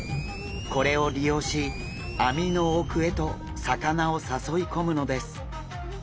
これを利用し網の奥へと魚を誘い込むのです。